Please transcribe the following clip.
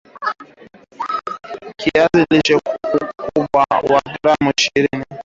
Kiazi lishe ukubwa wa gram ishirini